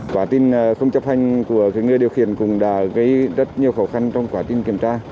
quả tin không chấp hành của người điều khiển cũng đã gây rất nhiều khó khăn trong quả tin kiểm tra